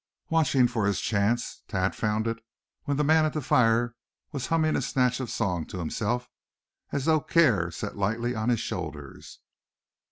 Watching for his chance, Thad found it when the man at the fire was humming a snatch of a song to himself, as though care set lightly on his shoulders.